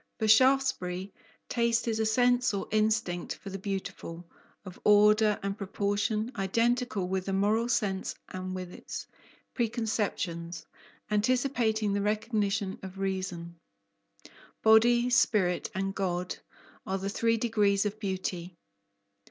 For Shaftesbury, taste is a sense or instinct of the beautiful, of order and proportion, identical with the moral sense and with its "preconceptions" anticipating the recognition of reason. Body, spirit, and God are the three degrees of beauty.